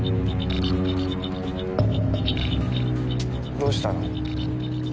どうしたの？